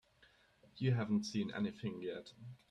You haven't seen anything yet.